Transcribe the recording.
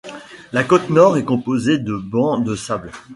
La côte nord est composée de bancs de sable.